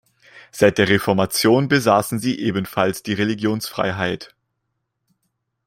Seit der Reformation besaßen sie ebenfalls die Religionsfreiheit.